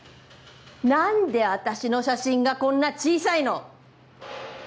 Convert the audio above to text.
何で私の写真がこんな小さいの？